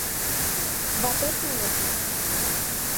Ватет уло...